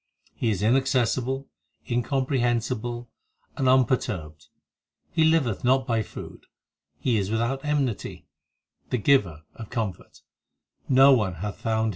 He is inaccessible, incomprehensible and unperturbed. He liveth not by food, He is without enmity, the Giver of comfort ; No one hath found His worth.